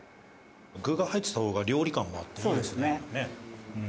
「具が入ってた方が料理感もあっていいですね」